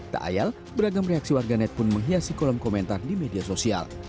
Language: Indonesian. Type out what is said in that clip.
tak ayal beragam reaksi warganet pun menghiasi kolom komentar di media sosial